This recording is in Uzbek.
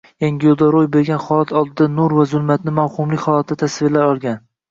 Yangiyo‘lda ro‘y berayotgan holat oldida nur va zulmatni mavhumlik holatida tasvirlay olgan